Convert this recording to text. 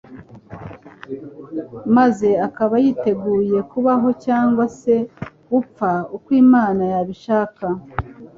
maze akaba yiteguye kubaho cyangwa se gupfa uko Imana yabishaka !